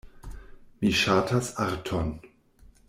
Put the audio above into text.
Mi ŝatas arton.